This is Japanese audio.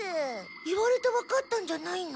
言われてわかったんじゃないの？